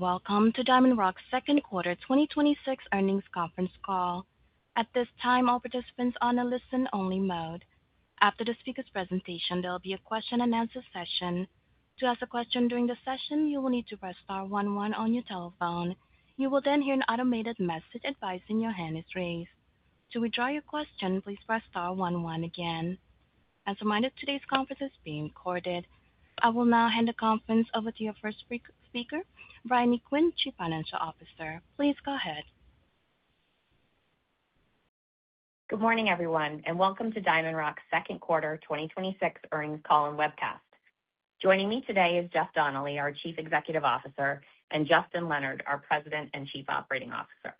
Welcome to DiamondRock's second quarter 2026 earnings conference call. At this time, all participants on a listen only mode. After the speaker's presentation, there will be a question-and-answer session. To ask a question during the session, you will need to press star one one on your telephone. You will then hear an automated message advising your hand is raised. To withdraw your question, please press star one one again. As a reminder, today's conference is being recorded. I will now hand the conference over to your first speaker, Briony Quinn, Chief Financial Officer. Please go ahead. Good morning everyone, and welcome to DiamondRock's second quarter 2026 earnings call and webcast. Joining me today is Jeff Donnelly, our Chief Executive Officer, and Justin Leonard, our President and Chief Operating Officer.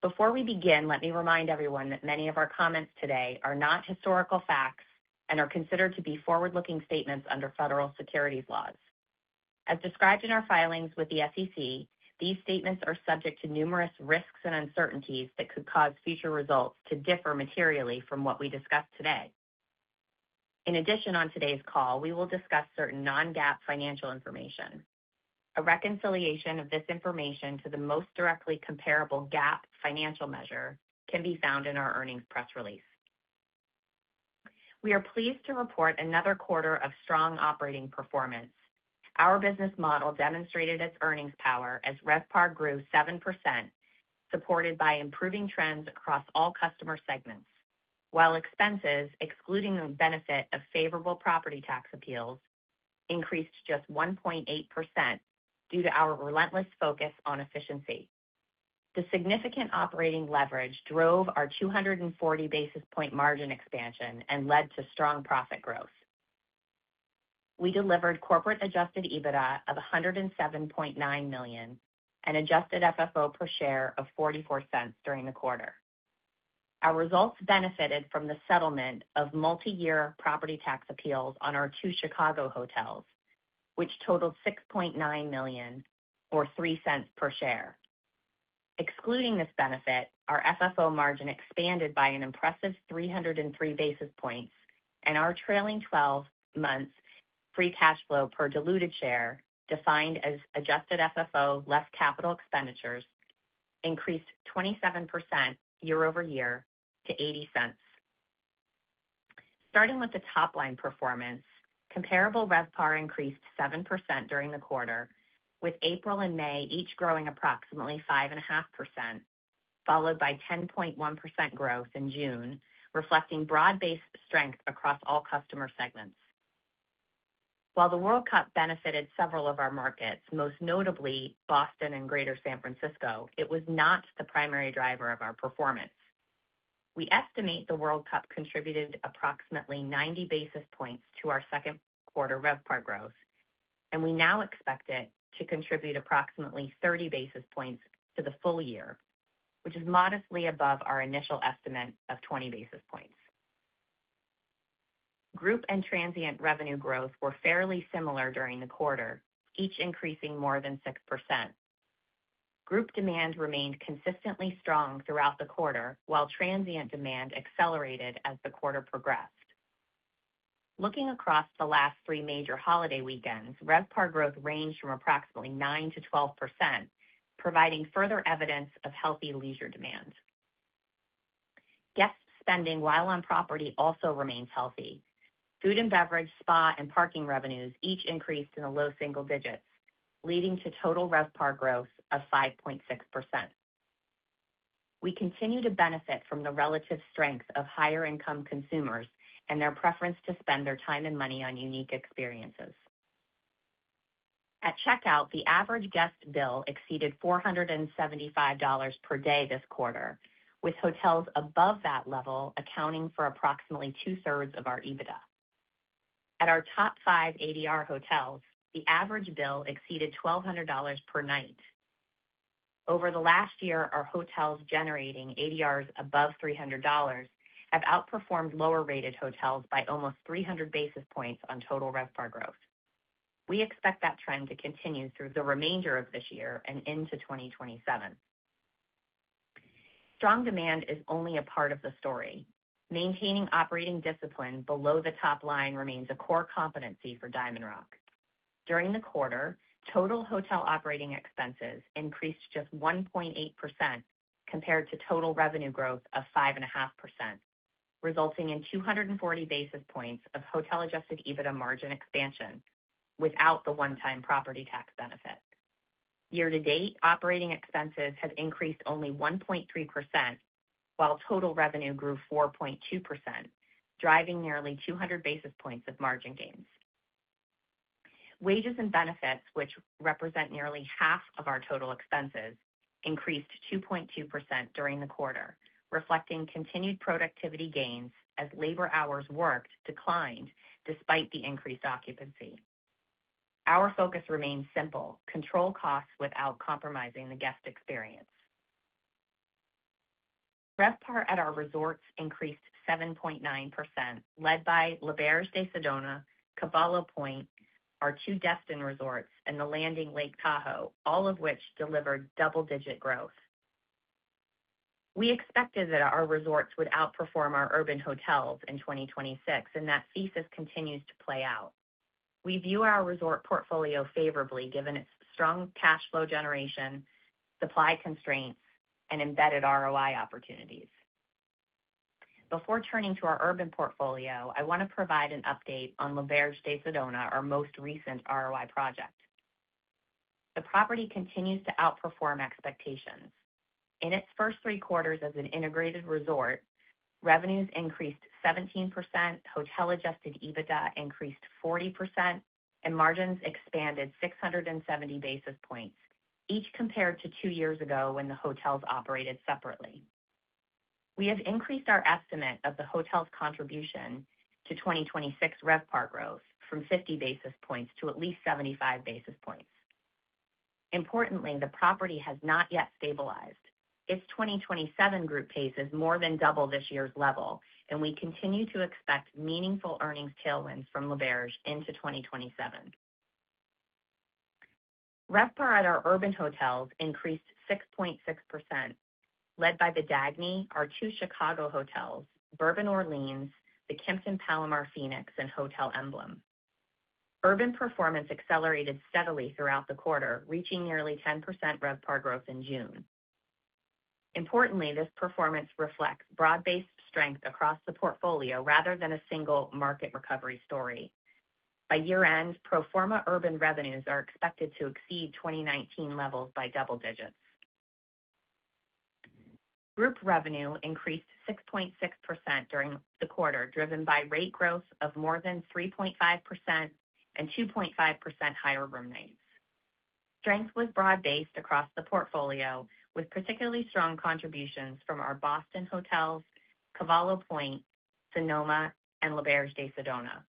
Before we begin, let me remind everyone that many of our comments today are not historical facts and are considered to be forward-looking statements under federal securities laws. As described in our filings with the SEC, these statements are subject to numerous risks and uncertainties that could cause future results to differ materially from what we discuss today. In addition, on today's call, we will discuss certain Non-GAAP financial information. A reconciliation of this information to the most directly comparable GAAP financial measure can be found in our earnings press release. We are pleased to report another quarter of strong operating performance. Our business model demonstrated its earnings power as RevPAR grew 7%, supported by improving trends across all customer segments. While expenses, excluding the benefit of favorable property tax appeals, increased just 1.8% due to our relentless focus on efficiency. The significant operating leverage drove our 240 basis point margin expansion and led to strong profit growth. We delivered corporate Adjusted EBITDA of $107.9 million and Adjusted FFO per share of $0.44 during the quarter. Our results benefited from the settlement of multi-year property tax appeals on our two Chicago hotels, which totaled $6.9 million, or $0.03 per share. Excluding this benefit, our FFO margin expanded by an impressive 303 basis points and our trailing 12 months free cash flow per diluted share, defined as Adjusted FFO less capital expenditures, increased 27% year-over-year to $0.80. Starting with the top-line performance, comparable RevPAR increased 7% during the quarter, with April and May each growing approximately 5.5%, followed by 10.1% growth in June, reflecting broad-based strength across all customer segments. While the World Cup benefited several of our markets, most notably Boston and Greater San Francisco, it was not the primary driver of our performance. We estimate the World Cup contributed approximately 90 basis points to our second quarter RevPAR growth, and we now expect it to contribute approximately 30 basis points to the full year, which is modestly above our initial estimate of 20 basis points. Group and transient revenue growth were fairly similar during the quarter, each increasing more than 6%. Group demand remained consistently strong throughout the quarter, while transient demand accelerated as the quarter progressed. Looking across the last three major holiday weekends, RevPAR growth ranged from approximately 9%-12%, providing further evidence of healthy leisure demand. Guest spending while on property also remains healthy. Food and beverage, spa, and parking revenues each increased in the low single digits, leading to Total RevPAR growth of 5.6%. We continue to benefit from the relative strength of higher income consumers and their preference to spend their time and money on unique experiences. At checkout, the average guest bill exceeded $475 per day this quarter, with hotels above that level accounting for approximately 2/3 of our EBITDA. At our top five ADR hotels, the average bill exceeded $1,200 per night. Over the last year, our hotels generating ADRs above $300 have outperformed lower-rated hotels by almost 300 basis points on Total RevPAR growth. We expect that trend to continue through the remainder of this year and into 2027. Strong demand is only a part of the story. Maintaining operating discipline below the top line remains a core competency for DiamondRock. During the quarter, total hotel operating expenses increased just 1.8% compared to total revenue growth of 5.5%, resulting in 240 basis points of Hotel Adjusted EBITDA margin expansion without the one-time property tax benefit. Year-to-date, operating expenses have increased only 1.3%, while total revenue grew 4.2%, driving nearly 200 basis points of margin gains. Wages and benefits, which represent nearly half of our total expenses, increased 2.2% during the quarter, reflecting continued productivity gains as labor hours worked declined despite the increased occupancy. Our focus remains simple: control costs without compromising the guest experience. RevPAR at our resorts increased 7.9%, led by L'Auberge de Sedona, Cavallo Point, our two Destin resorts, and The Landing Lake Tahoe, all of which delivered double-digit growth. We expected that our resorts would outperform our urban hotels in 2026, and that thesis continues to play out. We view our resort portfolio favorably given its strong cash flow generation, supply constraints, and embedded ROI opportunities. Before turning to our urban portfolio, I want to provide an update on L'Auberge de Sedona, our most recent ROI project. The property continues to outperform expectations. In its first three quarters as an integrated resort, revenues increased 17%, Hotel Adjusted EBITDA increased 40%, and margins expanded 670 basis points, each compared to two years ago when the hotels operated separately. We have increased our estimate of the hotel's contribution to 2026 RevPAR growth from 50 basis points to at least 75 basis points. Importantly, the property has not yet stabilized. Its 2027 group pace is more than double this year's level, and we continue to expect meaningful earnings tailwinds from L'Auberge into 2027. RevPAR at our urban hotels increased 6.6%, led by The Dagny, our two Chicago hotels, Bourbon Orleans, the Kimpton Hotel Palomar Phoenix, and Hotel Emblem. Urban performance accelerated steadily throughout the quarter, reaching nearly 10% RevPAR growth in June. Importantly, this performance reflects broad-based strength across the portfolio rather than a single market recovery story. By year-end, pro forma urban revenues are expected to exceed 2019 levels by double digits. Group revenue increased 6.6% during the quarter, driven by rate growth of more than 3.5% and 2.5% higher room nights. Strength was broad-based across the portfolio, with particularly strong contributions from our Boston hotels, Cavallo Point, Sonoma, and L'Auberge de Sedona.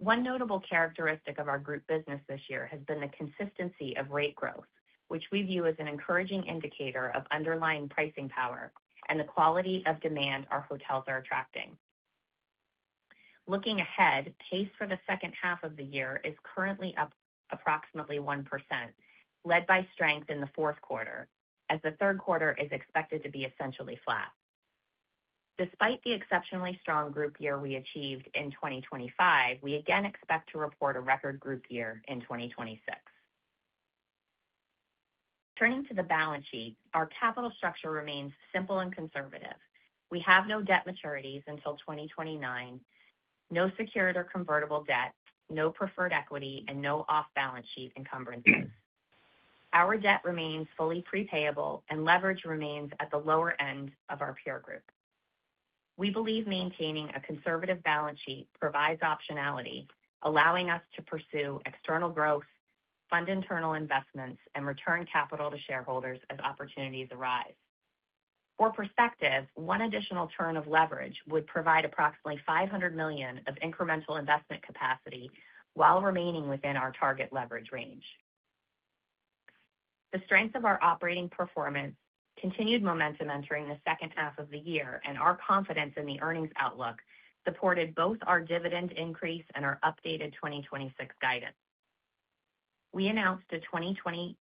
One notable characteristic of our group business this year has been the consistency of rate growth, which we view as an encouraging indicator of underlying pricing power and the quality of demand our hotels are attracting. Looking ahead, pace for the second half of the year is currently up approximately 1%, led by strength in the fourth quarter as the third quarter is expected to be essentially flat. Despite the exceptionally strong group year we achieved in 2025, we again expect to report a record group year in 2026. Turning to the balance sheet, our capital structure remains simple and conservative. We have no debt maturities until 2029, no secured or convertible debt, no preferred equity, and no off-balance sheet encumbrances. Our debt remains fully pre-payable and leverage remains at the lower end of our peer group. We believe maintaining a conservative balance sheet provides optionality, allowing us to pursue external growth, fund internal investments, and return capital to shareholders as opportunities arise. For perspective, one additional turn of leverage would provide approximately $500 million of incremental investment capacity while remaining within our target leverage range. Our confidence in the earnings outlook supported both our dividend increase and our updated 2026 guidance. We announced a 22%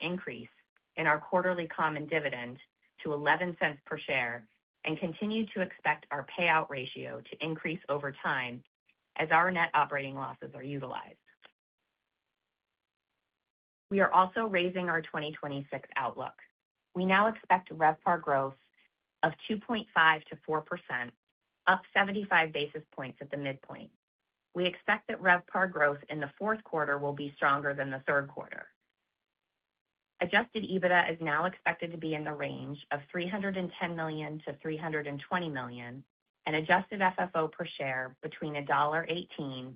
increase in our quarterly common dividend to $0.11 per share and continue to expect our payout ratio to increase over time as our net operating losses are utilized. We are also raising our 2026 outlook. We now expect RevPAR growth of 2.5%-4%, up 75 basis points at the midpoint. We expect that RevPAR growth in the fourth quarter will be stronger than the third quarter. Adjusted EBITDA is now expected to be in the range of $310 million-$320 million, and Adjusted FFO per share between $1.18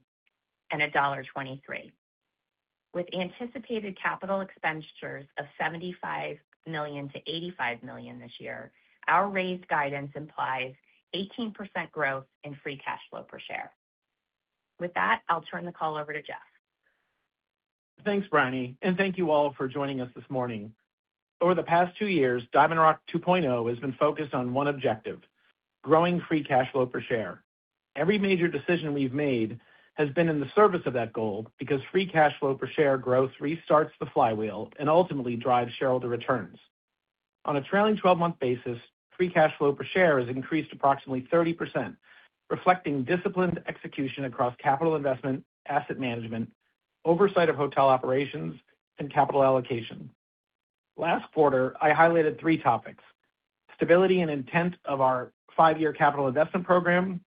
and $1.23. With anticipated capital expenditures of $75 million-$85 million this year, our raised guidance implies 18% growth in free cash flow per share. With that, I'll turn the call over to Jeff. Thanks, Briony. Thank you all for joining us this morning. Over the past two years, DiamondRock 2.0 has been focused on one objective, growing free cash flow per share. Every major decision we've made has been in the service of that goal because free cash flow per share growth restarts the flywheel and ultimately drives shareholder returns. On a trailing 12-month basis, free cash flow per share has increased approximately 30%, reflecting disciplined execution across capital investment, asset management, oversight of hotel operations, and capital allocation. Last quarter, I highlighted three topics, stability and intent of our five-year capital investment program,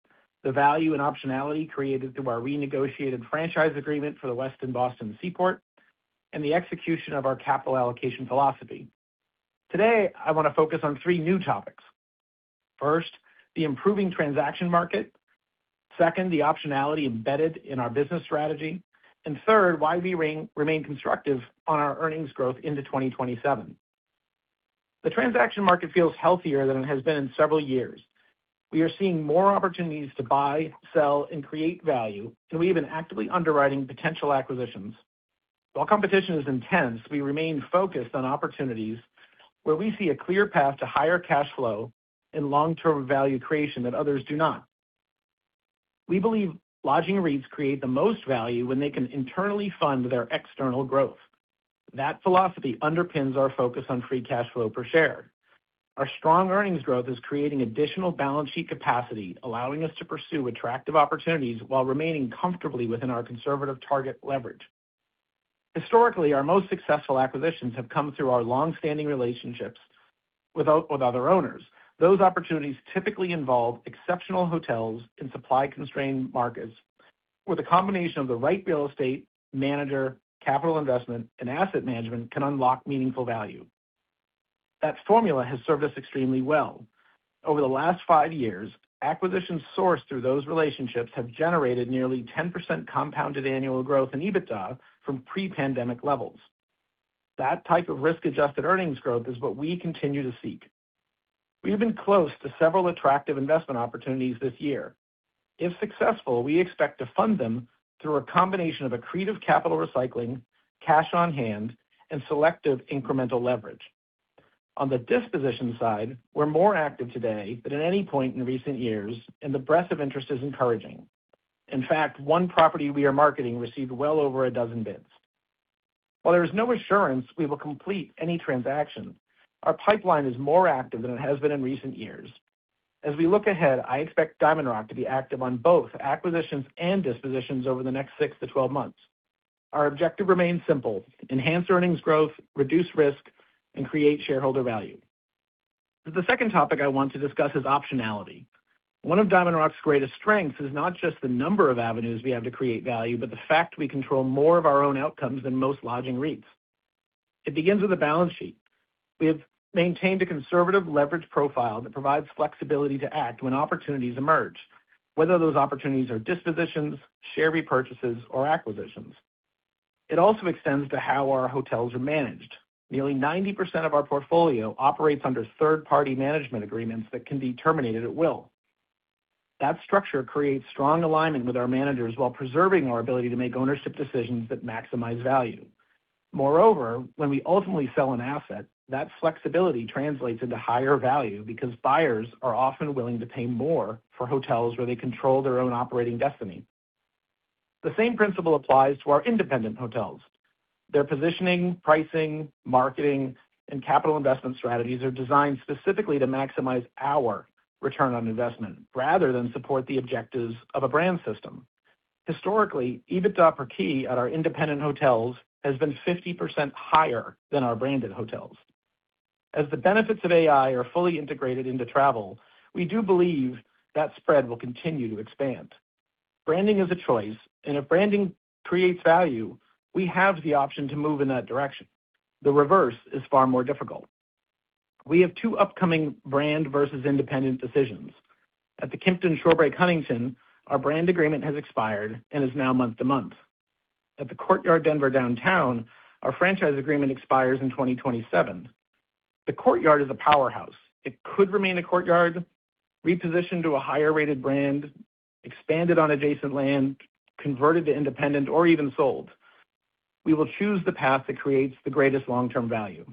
the value and optionality created through our renegotiated franchise agreement for The Westin Boston Seaport, and the execution of our capital allocation philosophy. Today, I want to focus on three new topics. First, the improving transaction market. Second, the optionality embedded in our business strategy. Third, why we remain constructive on our earnings growth into 2027. The transaction market feels healthier than it has been in several years. We are seeing more opportunities to buy, sell, and create value, and we have been actively underwriting potential acquisitions. While competition is intense, we remain focused on opportunities where we see a clear path to higher cash flow and long-term value creation that others do not. We believe lodging REITs create the most value when they can internally fund their external growth. That philosophy underpins our focus on free cash flow per share. Our strong earnings growth is creating additional balance sheet capacity, allowing us to pursue attractive opportunities while remaining comfortably within our conservative target leverage. Historically, our most successful acquisitions have come through our longstanding relationships with other owners. Those opportunities typically involve exceptional hotels in supply-constrained markets, where the combination of the right real estate, manager, capital investment, and asset management can unlock meaningful value. That formula has served us extremely well. Over the last five years, acquisitions sourced through those relationships have generated nearly 10% compounded annual growth in EBITDA from pre-pandemic levels. That type of risk-adjusted earnings growth is what we continue to seek. We've been close to several attractive investment opportunities this year. If successful, we expect to fund them through a combination of accretive capital recycling, cash on hand, and selective incremental leverage. On the disposition side, we're more active today than at any point in recent years, and the breadth of interest is encouraging. In fact, one property we are marketing received well over a dozen bids. While there is no assurance we will complete any transaction, our pipeline is more active than it has been in recent years. As we look ahead, I expect DiamondRock to be active on both acquisitions and dispositions over the next six to 12 months. Our objective remains simple: enhance earnings growth, reduce risk, and create shareholder value. The second topic I want to discuss is optionality. One of DiamondRock's greatest strengths is not just the number of avenues we have to create value, but the fact we control more of our own outcomes than most lodging REITs. It begins with a balance sheet. We have maintained a conservative leverage profile that provides flexibility to act when opportunities emerge, whether those opportunities are dispositions, share repurchases, or acquisitions. It also extends to how our hotels are managed. Nearly 90% of our portfolio operates under third-party management agreements that can be terminated at will. That structure creates strong alignment with our managers while preserving our ability to make ownership decisions that maximize value. Moreover, when we ultimately sell an asset, that flexibility translates into higher value because buyers are often willing to pay more for hotels where they control their own operating destiny. The same principle applies to our independent hotels. Their positioning, pricing, marketing, and capital investment strategies are designed specifically to maximize our return on investment rather than support the objectives of a brand system. Historically, EBITDA per key at our independent hotels has been 50% higher than our branded hotels. As the benefits of AI are fully integrated into travel, we do believe that spread will continue to expand. Branding is a choice, if branding creates value, we have the option to move in that direction. The reverse is far more difficult. We have two upcoming brand versus independent decisions. At the Kimpton Shorebreak Resort, our brand agreement has expired and is now month to month. At the Courtyard by Marriott Denver Downtown, our franchise agreement expires in 2027. The Courtyard is a powerhouse. It could remain a Courtyard, reposition to a higher-rated brand, expanded on adjacent land, converted to independent, or even sold. We will choose the path that creates the greatest long-term value.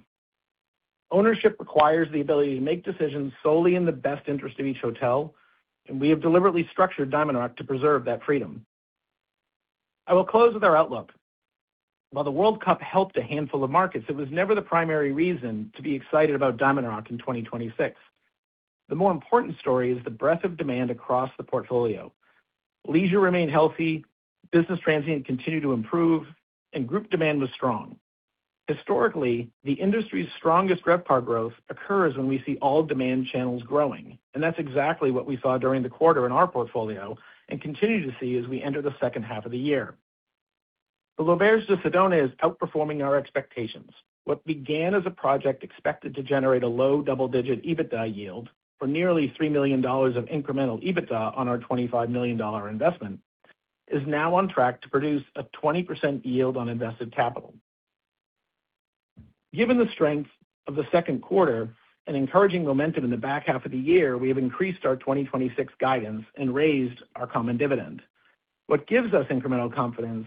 Ownership requires the ability to make decisions solely in the best interest of each hotel, we have deliberately structured DiamondRock to preserve that freedom. I will close with our outlook. While the World Cup helped a handful of markets, it was never the primary reason to be excited about DiamondRock in 2026. The more important story is the breadth of demand across the portfolio. Leisure remained healthy, business transient continued to improve, group demand was strong. Historically, the industry's strongest RevPAR growth occurs when we see all demand channels growing, that's exactly what we saw during the quarter in our portfolio and continue to see as we enter the second half of the year. The L'Auberge de Sedona is outperforming our expectations. What began as a project expected to generate a low double-digit EBITDA yield for nearly $3 million of incremental EBITDA on our $25 million investment is now on track to produce a 20% yield on invested capital. Given the strength of the second quarter and encouraging momentum in the back half of the year, we have increased our 2026 guidance and raised our common dividend. What gives us incremental confidence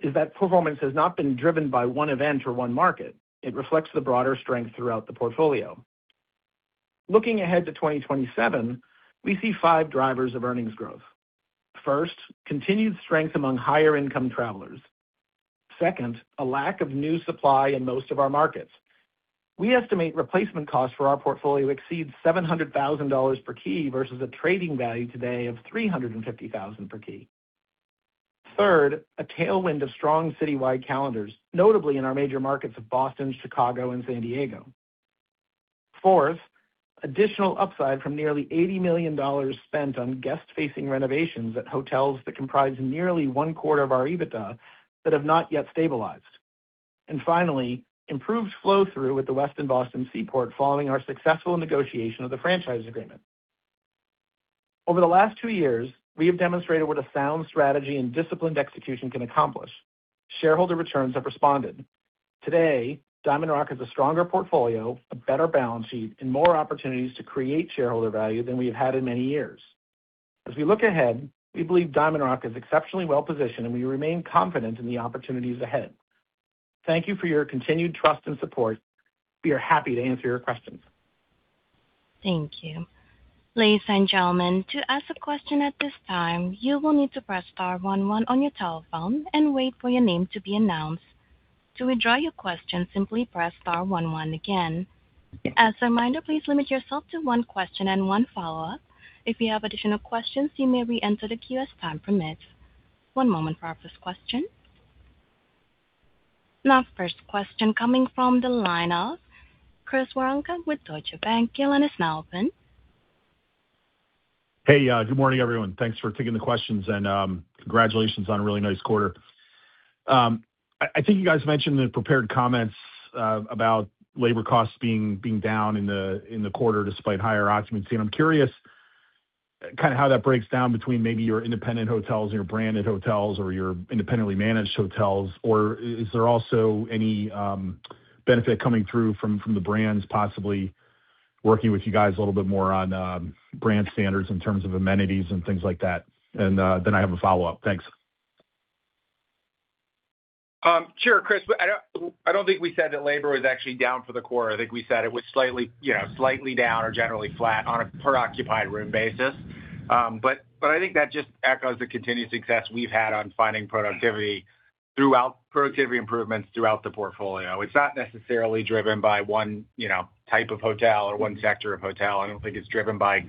is that performance has not been driven by one event or one market. It reflects the broader strength throughout the portfolio. Looking ahead to 2027, we see five drivers of earnings growth. First, continued strength among higher-income travelers. Second, a lack of new supply in most of our markets. We estimate replacement costs for our portfolio exceeds $700,000 per key versus a trading value today of $350,000 per key. Third, a tailwind of strong citywide calendars, notably in our major markets of Boston, Chicago, and San Diego. Fourth, additional upside from nearly $80 million spent on guest-facing renovations at hotels that comprise nearly one-quarter of our EBITDA that have not yet stabilized. Finally, improved flow-through with The Westin Boston Seaport District following our successful negotiation of the franchise agreement. Over the last two years, we have demonstrated what a sound strategy and disciplined execution can accomplish. Shareholder returns have responded. Today, DiamondRock has a stronger portfolio, a better balance sheet, more opportunities to create shareholder value than we have had in many years. As we look ahead, we believe DiamondRock is exceptionally well-positioned, we remain confident in the opportunities ahead. Thank you for your continued trust and support. We are happy to answer your questions Thank you. Ladies and gentlemen, to ask a question at this time, you will need to press star one one on your telephone and wait for your name to be announced. To withdraw your question, simply press star one one again. As a reminder, please limit yourself to one question and one follow-up. If you have additional questions, you may reenter the queue as time permits. One moment for our first question. First question coming from the line of Chris Woronka with Deutsche Bank. Your line is now open. Hey, good morning, everyone. Thanks for taking the questions, congratulations on a really nice quarter. I think you guys mentioned in the prepared comments about labor costs being down in the quarter despite higher occupancy. I'm curious how that breaks down between maybe your independent hotels, your branded hotels or your independently managed hotels. Is there also any benefit coming through from the brands possibly working with you guys a little bit more on brand standards in terms of amenities and things like that? Then I have a follow-up. Thanks. Sure, Chris. I don't think we said that labor was actually down for the quarter. I think we said it was slightly down or generally flat on a per occupied room basis. I think that just echoes the continued success we've had on finding productivity improvements throughout the portfolio. It's not necessarily driven by one type of hotel or one sector of hotel. I don't think it's driven by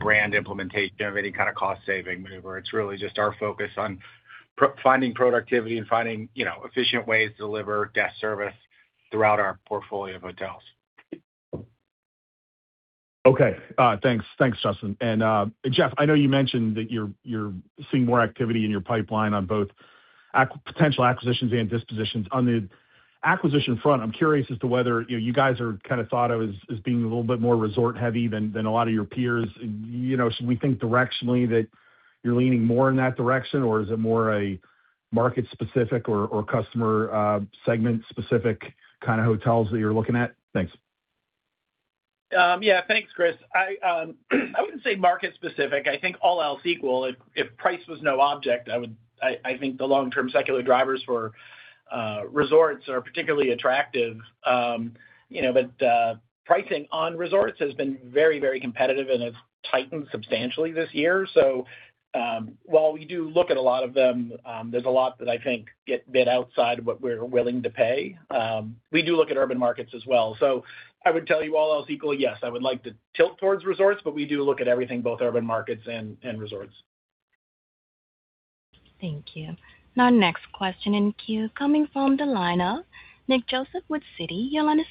brand implementation of any kind of cost-saving maneuver. It's really just our focus on finding productivity and finding efficient ways to deliver guest service throughout our portfolio of hotels. Okay. Thanks, Justin. Jeff, I know you mentioned that you're seeing more activity in your pipeline on both potential acquisitions and dispositions. On the acquisition front, I'm curious as to whether you guys are thought of as being a little bit more resort heavy than a lot of your peers. Should we think directionally that you're leaning more in that direction, or is it more a market specific or customer segment specific kind of hotels that you're looking at? Thanks. Thanks, Chris. I wouldn't say market specific. I think all else equal, if price was no object, I think the long-term secular drivers for resorts are particularly attractive. Pricing on resorts has been very competitive and has tightened substantially this year. While we do look at a lot of them, there's a lot that I think get bid outside what we're willing to pay. We do look at urban markets as well. I would tell you all else equal, yes, I would like to tilt towards resorts, but we do look at everything, both urban markets and resorts. Thank you. Our next question in queue coming from the line of Nick Joseph with Citi. Your line is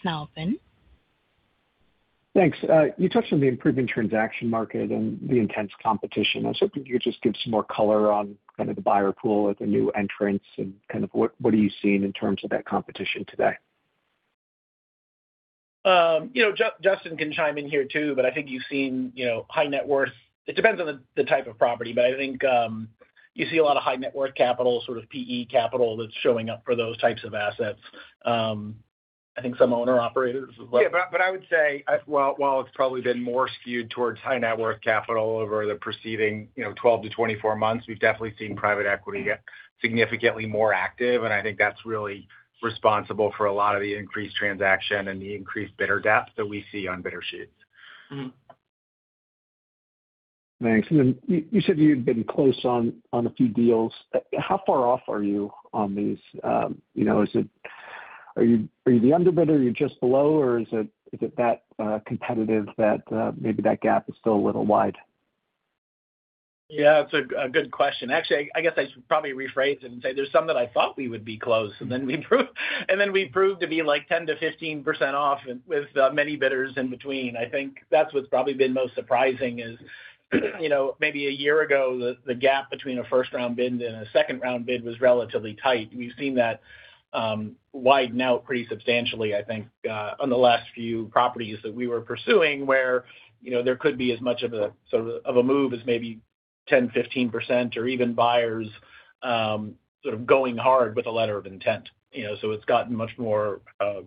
now open. Thanks. You touched on the improving transaction market and the intense competition. I was hoping you could just give some more color on kind of the buyer pool at the new entrants and kind of what are you seeing in terms of that competition today? Justin can chime in here too. It depends on the type of property, but I think, you see a lot of high net worth capital, sort of PE capital that's showing up for those types of assets. I think some owner operators as well. Yeah, I would say, while it's probably been more skewed towards high net worth capital over the preceding 12 months-24 months, we've definitely seen private equity get significantly more active, and I think that's really responsible for a lot of the increased transaction and the increased bidder depth that we see on bidder sheets. Mm-hmm. Thanks. You said you'd been close on a few deals. How far off are you on these? Are you the underbidder, are you just below, or is it that competitive that maybe that gap is still a little wide? Yeah, it's a good question. Actually, I guess I should probably rephrase it and say there's some that I thought we would be close, then we proved to be 10%-15% off with many bidders in between. I think that's what's probably been most surprising is maybe a year ago, the gap between a first round bid and a second round bid was relatively tight. We've seen that widen out pretty substantially, I think, on the last few properties that we were pursuing, where there could be as much of a move as maybe 10%, 15%, or even buyers going hard with a letter of intent. It's gotten much more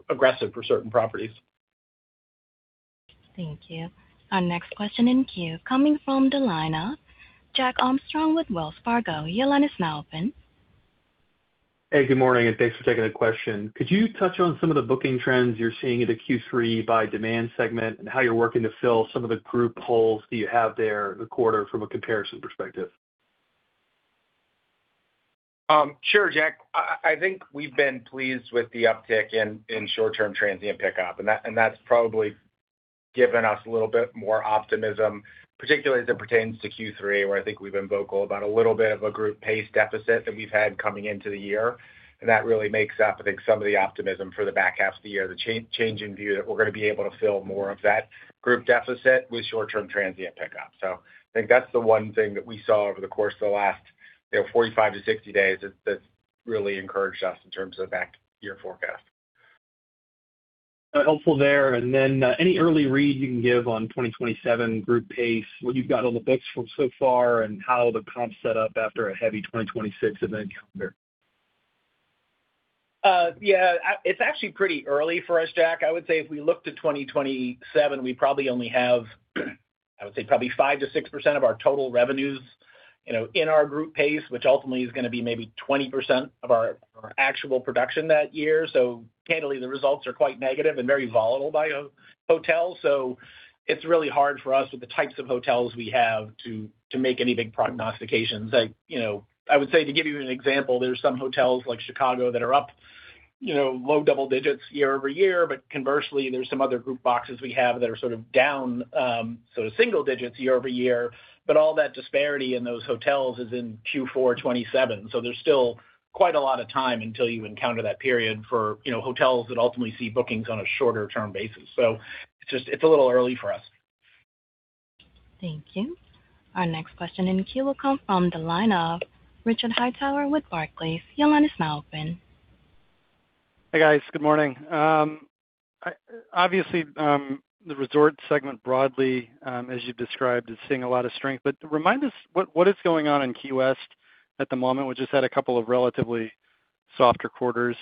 aggressive for certain properties. Thank you. Our next question in queue coming from the line of Jack Armstrong with Wells Fargo. Your line is now open. Hey, good morning, and thanks for taking the question. Could you touch on some of the booking trends you're seeing into Q3 by demand segment and how you're working to fill some of the group holes that you have there the quarter from a comparison perspective? Sure, Jack. I think we've been pleased with the uptick in short-term transient pickup, and that's probably given us a little bit more optimism, particularly as it pertains to Q3, where I think we've been vocal about a little bit of a group pace deficit that we've had coming into the year. That really makes up, I think, some of the optimism for the back half of the year, the changing view that we're going to be able to fill more of that group deficit with short-term transient pickup. I think that's the one thing that we saw over the course of the last 45 days-60 days that's really encouraged us in terms of the back year forecast. Helpful there. Any early read you can give on 2027 group pace, what you've got on the books from so far, and how the comps set up after a heavy 2026 event calendar? Yeah. It's actually pretty early for us, Jack. I would say if we look to 2027, we probably only have 5%-6% of our total revenues in our group pace, which ultimately is going to be maybe 20% of our actual production that year. Candidly, the results are quite negative and very volatile by hotel. It's really hard for us with the types of hotels we have to make any big prognostications. I would say, to give you an example, there's some hotels like Chicago that are up low double digits year-over-year. Conversely, there's some other group boxes we have that are down single digits year-over-year. All that disparity in those hotels is in Q4 2027, there's still quite a lot of time until you encounter that period for hotels that ultimately see bookings on a shorter-term basis. It's a little early for us. Thank you. Our next question in queue will come from the line of Rich Hightower with Barclays. Your line is now open. Hi, guys. Good morning. Obviously, the resort segment broadly, as you described, is seeing a lot of strength. Remind us what is going on in Key West at the moment. We just had a couple of relatively softer quarters.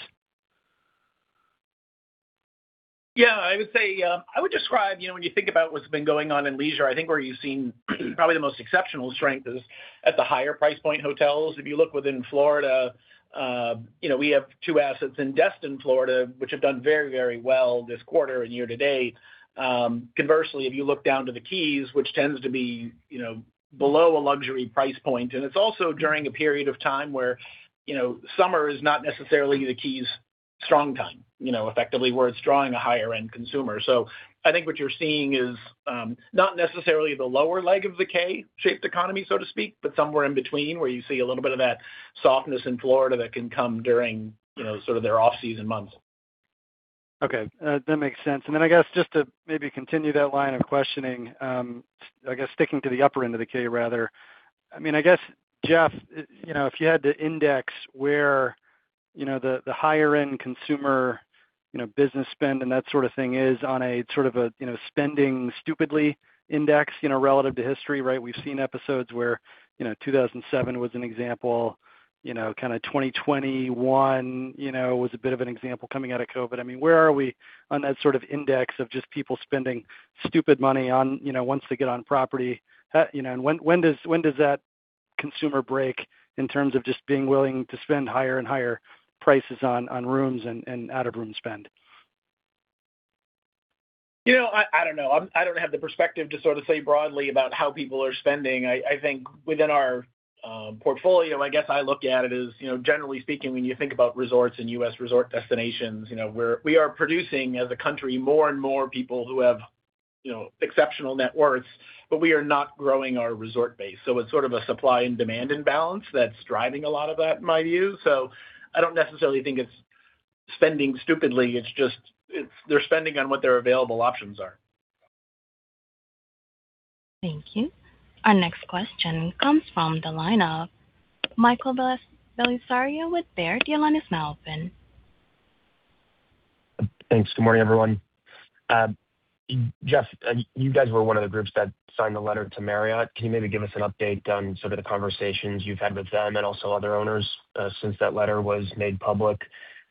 Yeah. I would describe, when you think about what's been going on in leisure, I think where you've seen probably the most exceptional strength is at the higher price point hotels. If you look within Florida, we have two assets in Destin, Florida, which have done very well this quarter and year to date. Conversely, if you look down to the Keys, which tends to be below a luxury price point, and it's also during a period of time where summer is not necessarily the Keys' strong time, effectively, where it's drawing a higher-end consumer. I think what you're seeing is not necessarily the lower leg of the K-shaped economy, so to speak, but somewhere in between where you see a little bit of that softness in Florida that can come during their off-season months. Okay. That makes sense. I guess just to maybe continue that line of questioning, I guess sticking to the upper end of the K, rather. I guess, Jeff, if you had to index where the higher-end consumer business spend and that sort of thing is on a sort of a spending stupidly index, relative to history, right? We've seen episodes where 2007 was an example, kind of 2021 was a bit of an example coming out of COVID. Where are we on that sort of index of just people spending stupid money once they get on property? When does that consumer break in terms of just being willing to spend higher and higher prices on rooms and out-of-room spend? I don't know. I don't have the perspective to sort of say broadly about how people are spending. I think within our portfolio, I guess I look at it as, generally speaking, when you think about resorts and U.S. resort destinations, where we are producing, as a country, more and more people who have exceptional net worths, but we are not growing our resort base. It's sort of a supply and demand imbalance that's driving a lot of that, in my view. I don't necessarily think it's spending stupidly. It's just they're spending on what their available options are. Thank you. Our next question comes from the line of Michael Bellisario with Baird. Your line is now open. Thanks. Good morning, everyone. Jeff, you guys were one of the groups that signed the letter to Marriott. Can you maybe give us an update on sort of the conversations you've had with them and also other owners since that letter was made public?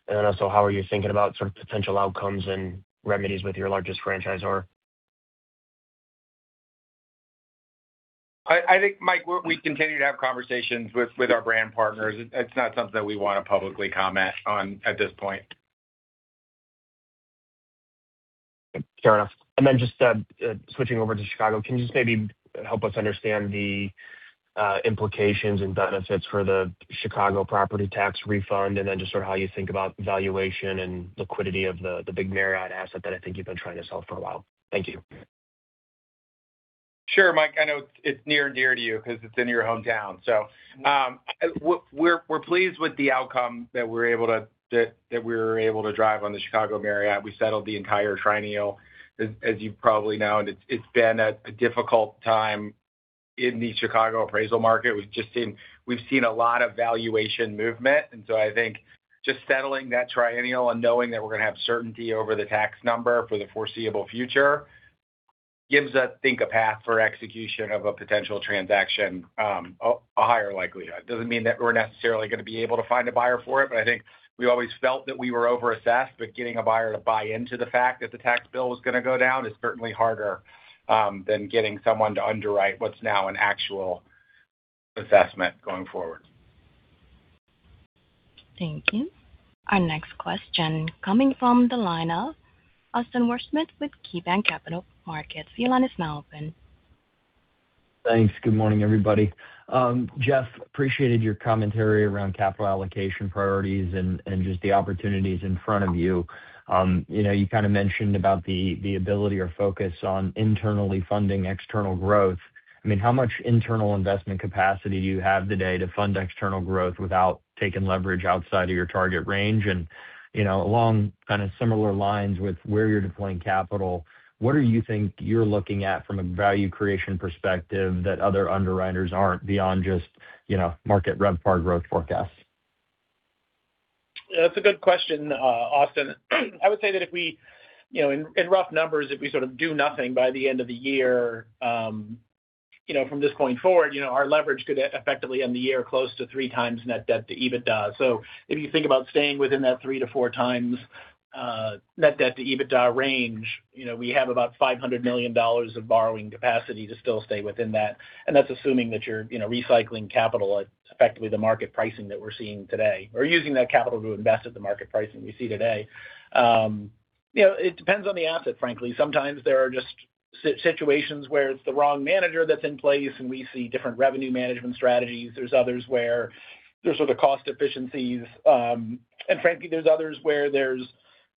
How are you thinking about sort of potential outcomes and remedies with your largest franchisor? I think, Mike, we continue to have conversations with our brand partners. It is not something that we want to publicly comment on at this point. Fair enough. Just switching over to Chicago, can you just maybe help us understand the implications and benefits for the Chicago property tax refund, then just sort of how you think about valuation and liquidity of the big Marriott asset that I think you have been trying to sell for a while? Thank you. Sure, Mike. I know it is near and dear to you because it is in your hometown. We are pleased with the outcome that we were able to drive on the Chicago Marriott. We settled the entire triennial, as you probably know, it has been a difficult time in the Chicago appraisal market. We have seen a lot of valuation movement, I think just settling that triennial and knowing that we are going to have certainty over the tax number for the foreseeable future gives, I think, a path for execution of a potential transaction, a higher likelihood. It does not mean that we are necessarily going to be able to find a buyer for it, I think we always felt that we were over-assessed. Getting a buyer to buy into the fact that the tax bill was going to go down is certainly harder than getting someone to underwrite what is now an actual assessment going forward. Thank you. Our next question coming from the line of Austin Wurschmidt with KeyBanc Capital Markets. Your line is now open. Thanks. Good morning, everybody. Jeff, appreciated your commentary around capital allocation priorities and just the opportunities in front of you. You kind of mentioned about the ability or focus on internally funding external growth. How much internal investment capacity do you have today to fund external growth without taking leverage outside of your target range? Along kind of similar lines with where you're deploying capital, what do you think you're looking at from a value creation perspective that other underwriters aren't beyond just market RevPAR growth forecasts? That's a good question, Austin. In rough numbers, if we sort of do nothing by the end of the year from this point forward, our leverage could effectively end the year close to 3x net debt-to-EBITDA. If you think about staying within that 3x-4x net debt-to-EBITDA range, we have about $500 million of borrowing capacity to still stay within that, and that's assuming that you're recycling capital at effectively the market pricing that we're seeing today, or using that capital to invest at the market pricing we see today. It depends on the asset, frankly. Sometimes there are just situations where it's the wrong manager that's in place and we see different revenue management strategies. There's others where there's sort of cost efficiencies, frankly, there's others where there's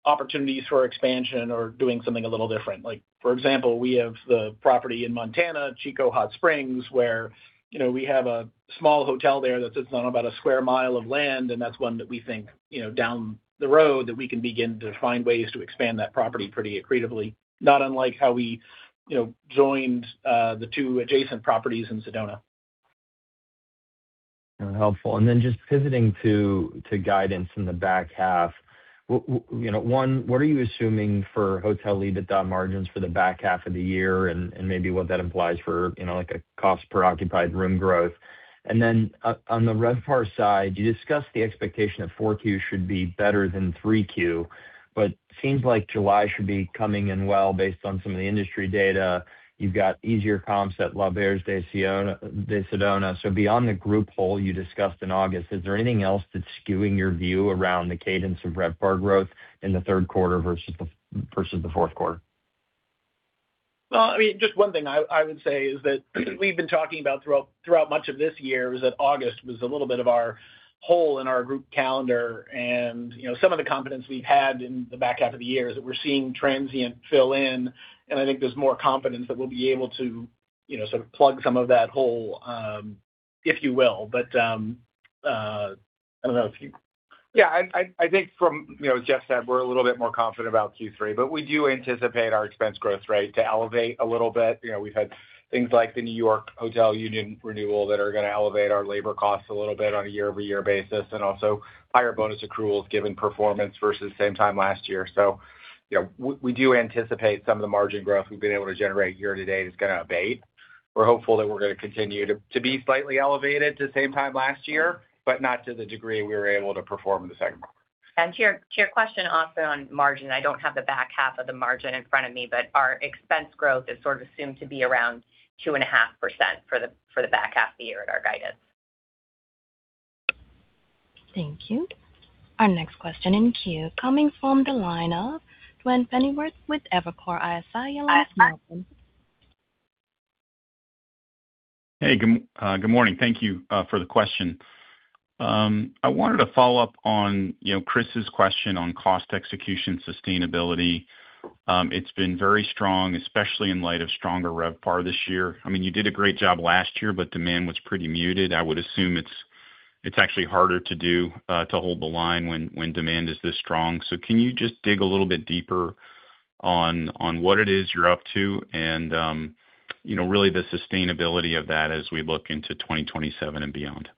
opportunities for expansion or doing something a little different. Like for example, we have the property in Montana, Chico Hot Springs, where we have a small hotel there that sits on about a square mile of land, that's one that we think, down the road, that we can begin to find ways to expand that property pretty accretively. Not unlike how we joined the two adjacent properties in Sedona. Just pivoting to guidance in the back half. What are you assuming for hotel EBITDA margins for the back half of the year and maybe what that implies for a cost per occupied room growth? On the RevPAR side, you discussed the expectation of 4Q should be better than 3Q, but seems like July should be coming in well based on some of the industry data. You've got easier comps at L'Auberge de Sedona. Beyond the group hole you discussed in August, is there anything else that's skewing your view around the cadence of RevPAR growth in the third quarter versus the fourth quarter? Just one thing I would say is that we've been talking about throughout much of this year is that August was a little bit of our hole in our group calendar. Some of the confidence we've had in the back half of the year is that we're seeing transient fill in, and I think there's more confidence that we'll be able to plug some of that hole, if you will. I don't know if you I think from, Jeff said we're a little bit more confident about Q3, but we do anticipate our expense growth rate to elevate a little bit. We've had things like the New York Hotel union renewal that are going to elevate our labor costs a little bit on a year-over-year basis, and also higher bonus accruals given performance versus same time last year. We do anticipate some of the margin growth we've been able to generate year-to-date is going to abate. We're hopeful that we're going to continue to be slightly elevated to same time last year, but not to the degree we were able to perform in the second quarter. To your question also on margin, I don't have the back half of the margin in front of me, our expense growth is sort of assumed to be around 2.5% for the back half of the year at our guidance. Thank you. Our next question in queue coming from the line of Duane Pfennigwerth with Evercore ISI. Your line is open. Hey, good morning. Thank you for the question. I wanted to follow up on Chris's question on cost execution sustainability. It's been very strong, especially in light of stronger RevPAR this year. You did a great job last year, but demand was pretty muted. I would assume it's actually harder to do to hold the line when demand is this strong. Can you just dig a little bit deeper on what it is you're up to and really the sustainability of that as we look into 2027 and beyond?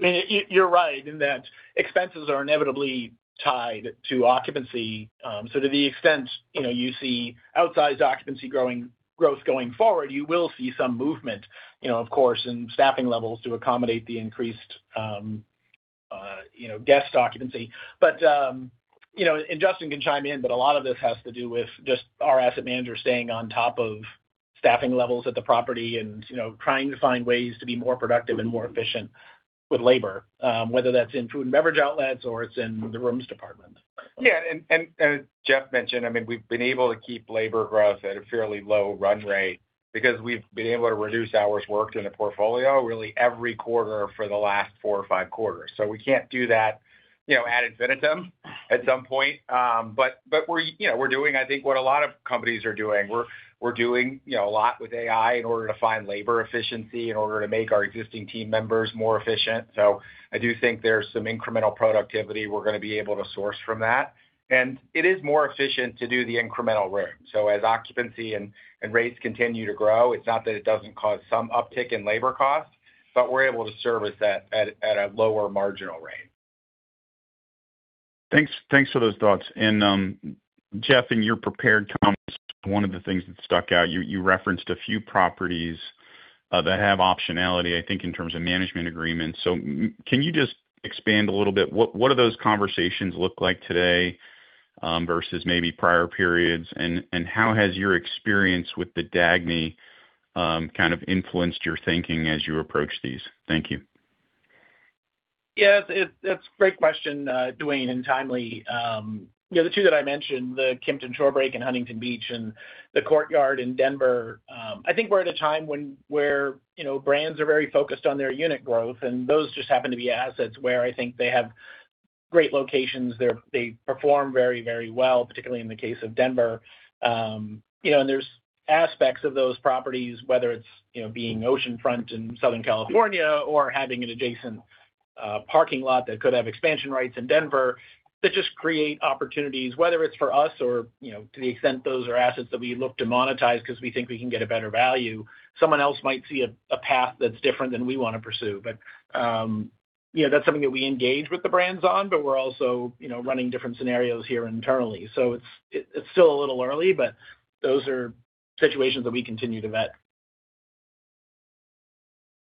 You're right in that expenses are inevitably tied to occupancy. To the extent you see outsized occupancy growth going forward, you will see some movement, of course, in staffing levels to accommodate the increased guest occupancy. Justin can chime in, but a lot of this has to do with just our asset managers staying on top of staffing levels at the property and trying to find ways to be more productive and more efficient with labor, whether that's in food and beverage outlets or it's in the rooms department. Yeah, as Jeff mentioned, we've been able to keep labor growth at a fairly low run rate because we've been able to reduce hours worked in the portfolio really every quarter for the last four or five quarters. We can't do that ad infinitum at some point. We're doing, I think, what a lot of companies are doing. We're doing a lot with AI in order to find labor efficiency, in order to make our existing team members more efficient. I do think there's some incremental productivity we're going to be able to source from that. It is more efficient to do the incremental room. As occupancy and rates continue to grow, it's not that it doesn't cause some uptick in labor costs, but we're able to service that at a lower marginal rate. Thanks for those thoughts. Jeff, in your prepared comments, one of the things that stuck out, you referenced a few properties that have optionality, I think, in terms of management agreements. Can you just expand a little bit? What do those conversations look like today, versus maybe prior periods, and how has your experience with The Dagny kind of influenced your thinking as you approach these? Thank you. That's a great question, Duane, and timely. The two that I mentioned, the Kimpton Shorebreak in Huntington Beach and the Courtyard in Denver. I think we're at a time where brands are very focused on their unit growth, and those just happen to be assets where I think they have great locations. They perform very well, particularly in the case of Denver. There's aspects of those properties, whether it's being oceanfront in Southern California or having an adjacent parking lot that could have expansion rights in Denver, that just create opportunities, whether it's for us or to the extent those are assets that we look to monetize because we think we can get a better value. Someone else might see a path that's different than we want to pursue. That's something that we engage with the brands on, but we're also running different scenarios here internally. It's still a little early, those are situations that we continue to vet.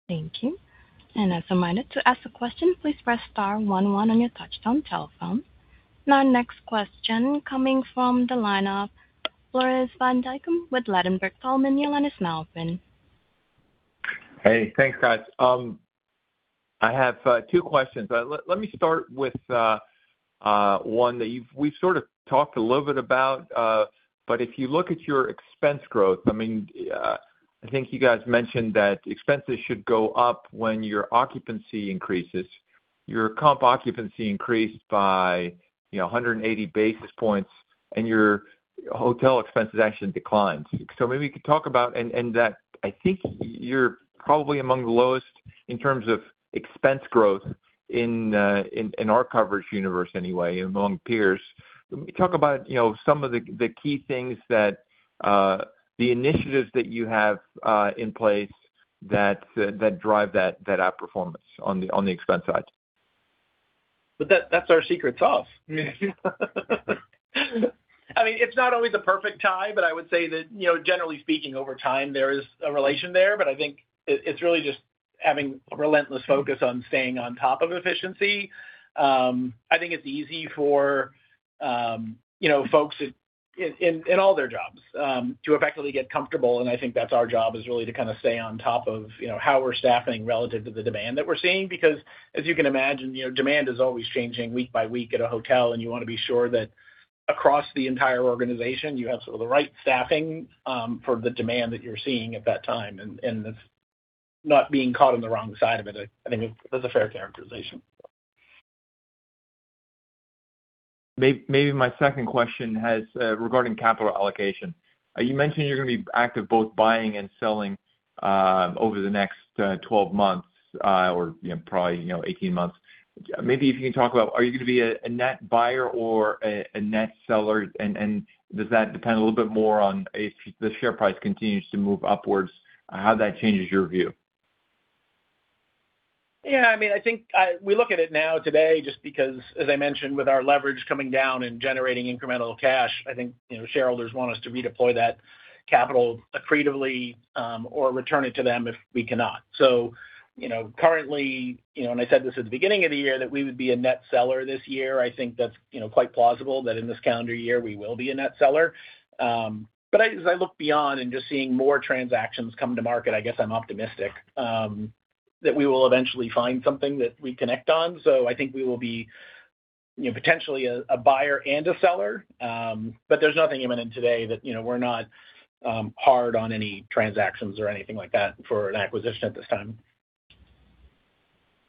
Thank you. As a reminder, to ask a question, please press star one one on your touchtone telephone. Our next question coming from the line of Floris van Dijkum with Ladenburg Thalmann. Your line is now open. Hey, thanks, guys. I have two questions. Let me start with one that we've sort of talked a little bit about. If you look at your expense growth, I think you guys mentioned that expenses should go up when your occupancy increases. Your comp occupancy increased by 180 basis points, and your hotel expenses actually declined. Maybe you could talk about. I think you're probably among the lowest in terms of expense growth in our coverage universe anyway, among peers. Can we talk about some of the key things that the initiatives that you have in place that drive that outperformance on the expense side? That's our secret sauce. It's not always a perfect tie, I would say that generally speaking, over time, there is a relation there, but I think it's really just having a relentless focus on staying on top of efficiency. I think it's easy for folks in all their jobs to effectively get comfortable, and I think that's our job, is really to kind of stay on top of how we're staffing relative to the demand that we're seeing. Because as you can imagine, demand is always changing week by week at a hotel, and you want to be sure that across the entire organization, you have sort of the right staffing for the demand that you're seeing at that time, and thus not being caught on the wrong side of it. I think that's a fair characterization. Maybe my second question regarding capital allocation. You mentioned you're going to be active both buying and selling over the next 12 months, or probably 18 months. Maybe if you can talk about, are you going to be a net buyer or a net seller? Does that depend a little bit more on if the share price continues to move upwards, how that changes your view? Yeah. We look at it now today just because, as I mentioned, with our leverage coming down and generating incremental cash, I think shareholders want us to redeploy that capital accretively or return it to them if we cannot. Currently, and I said this at the beginning of the year, that we would be a net seller this year. I think that's quite plausible that in this calendar year we will be a net seller. As I look beyond and just seeing more transactions come to market, I guess I'm optimistic that we will eventually find something that we connect on. I think we will be potentially a buyer and a seller. There's nothing imminent today that we're not hard on any transactions or anything like that for an acquisition at this time.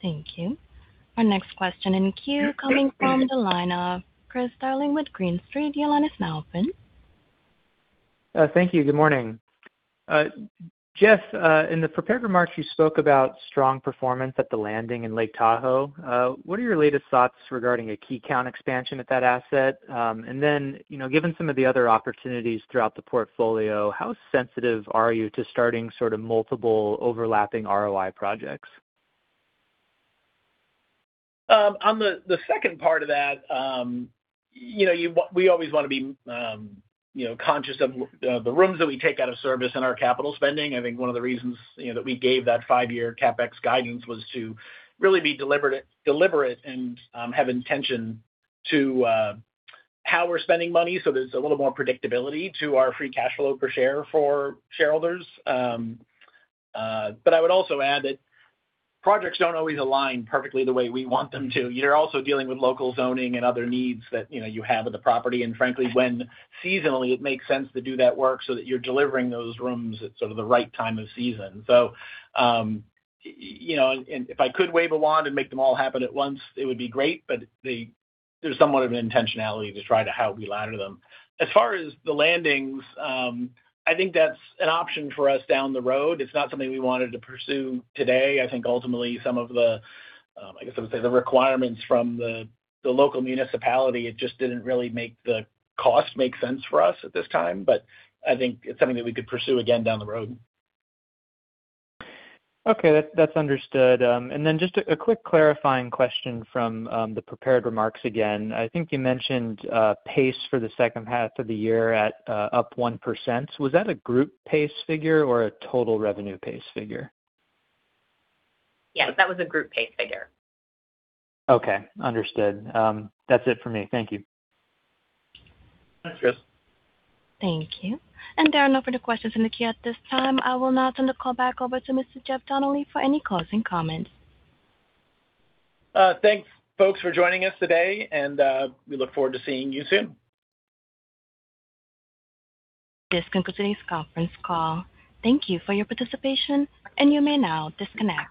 Thank you. Our next question in queue coming from the line of Chris Darling with Green Street. Your line is now open. Thank you. Good morning. Jeff, in the prepared remarks, you spoke about strong performance at The Landing in Lake Tahoe. What are your latest thoughts regarding a key count expansion at that asset? Given some of the other opportunities throughout the portfolio, how sensitive are you to starting sort of multiple overlapping ROI projects? On the second part of that, we always want to be conscious of the rooms that we take out of service and our capital spending. I think one of the reasons that we gave that five-year CapEx guidance was to really be deliberate and have intention to how we're spending money, so there's a little more predictability to our free cash flow per share for shareholders. I would also add that projects don't always align perfectly the way we want them to. You're also dealing with local zoning and other needs that you have with the property, and frankly, when seasonally it makes sense to do that work so that you're delivering those rooms at sort of the right time of season. If I could wave a wand and make them all happen at once, it would be great, but there's somewhat of intentionality to try to how we ladder them. As far as The Landing, I think that's an option for us down the road. It's not something we wanted to pursue today. I think ultimately some of the, I guess I would say, the requirements from the local municipality, it just didn't really make the cost make sense for us at this time. I think it's something that we could pursue again down the road. Okay. That's understood. Just a quick clarifying question from the prepared remarks again. I think you mentioned pace for the second half of the year at up 1%. Was that a group pace figure or a total revenue pace figure? Yes, that was a group pace figure. Okay. Understood. That's it for me. Thank you. Thanks, Chris. Thank you. There are no further questions in the queue at this time. I will now turn the call back over to Mr. Jeff Donnelly for any closing comments. Thanks, folks, for joining us today, and we look forward to seeing you soon. This concludes today's conference call. Thank you for your participation, and you may now disconnect.